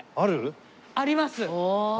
あります。